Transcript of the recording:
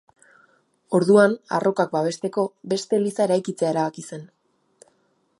Orduan, arrokak babesteko, beste eliza eraikitzea erabaki zen.